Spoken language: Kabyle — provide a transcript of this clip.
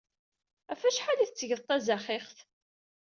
Ɣef wacḥal ay tettged tazaxixt?